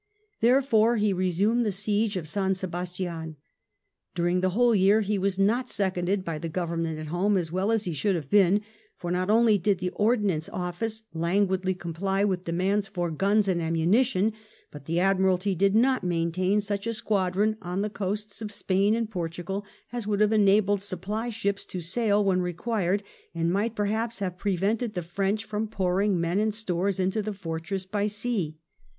Therefore he resumed the siege of San Sebastian. During the whole year he was not seconded by the Grovemment at home as well as he should have been ; for not only did the Ordnance Office languidly comply with demands for guns and ammunition, but the Admiralty did not maintain such a squadron on the coasts of Spain and Portugal as would have enabled supply ships to sail when required, and might perhaps have prevented the French from pouring men and stores into the fortress by sea.